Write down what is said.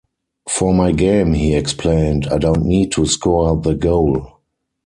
"For my game," he explained, "I don't need to score the goal.